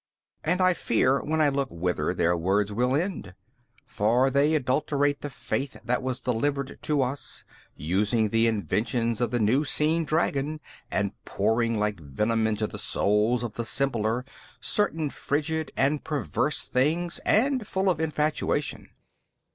And I fear when I look whither their words will end. For they adulterate the faith that was delivered to us, using the inventions of the new seen dragon and pouring like venom into the souls of the simpler certain frigid and perverse things and full of infatuation.